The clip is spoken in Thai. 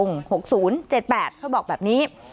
เขาบอกแบบนี้